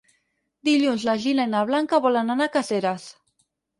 Dilluns na Gina i na Blanca volen anar a Caseres.